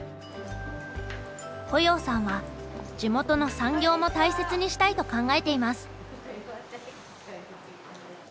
保要さんは地元の産業も大切にしたいと考えています。